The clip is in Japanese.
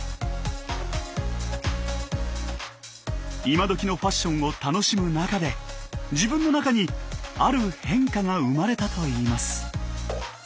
イマドキのファッションを楽しむ中で自分の中にある変化が生まれたといいます。